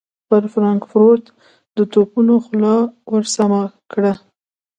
پر فرانکفورټ د توپونو خوله ور سمهکړه.